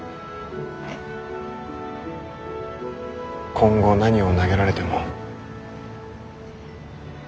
今後何を投げられても。